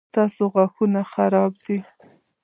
ستاسو غاښونه خراب دي